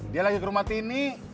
dia lagi ke rumah tini